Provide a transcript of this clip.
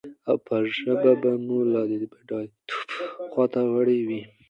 او ژبه به مو لا د بډايتوب خواته وړي وي.